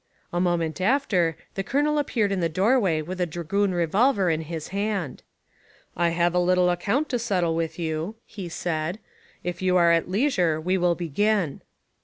A moment after, the colonel appeared in the doorway with a dragoon revolver in his hand. "I have a little account to settle with you," he said: "if you are at leisure we will begin."